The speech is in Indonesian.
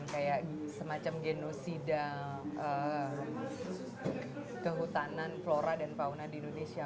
kayak semacam genosida kehutanan flora dan fauna di indonesia